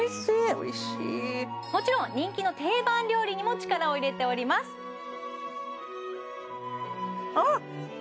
おいしいもちろん人気の定番料理にも力を入れておりますあっ！